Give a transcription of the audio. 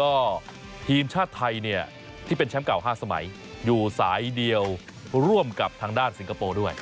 ก็ทีมชาติไทยเนี่ยที่เป็นแชมป์เก่า๕สมัยอยู่สายเดียวร่วมกับทางด้านสิงคโปร์ด้วย